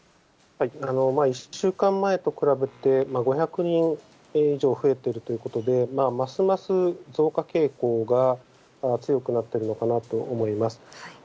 １週間前と比べて５００人以上増えてるということで、ますます増加傾向が強くなってるのかなと思います。